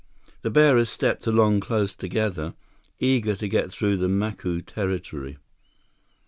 The bearers stepped along close together, eager to get through the Macu territory.